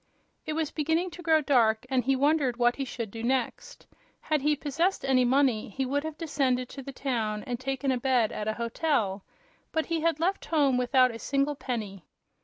It was beginning to grow dark, and he wondered what he should do next. Had he possessed any money he would have descended to the town and taken a bed at a hotel, but he had left home without a single penny.